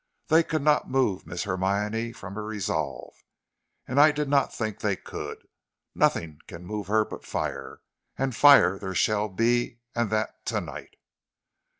"They could not move Miss Hermione from her resolves, and I did not think they could. Nothing can move her but fire, and fire there shall be, and that to night."